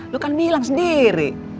lu kan bilang sendiri